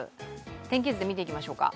天気図で見ていきましょうか。